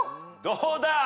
どうだ？